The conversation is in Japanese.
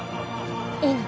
いいの？